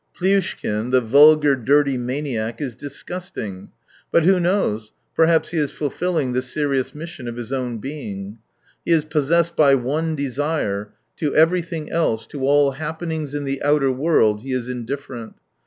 Plyushkin, the vulgar, dirty maniac is disgusting — but who knows ? perhaps he is fulfilling the serious mission of his own being. He is possessed by one desire — to everything else, to all happenings in the outer world he is indifferent.